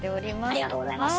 ありがとうございます。